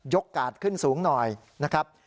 กาดขึ้นสูงหน่อยนะครับ